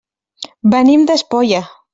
Venim d'Espolla.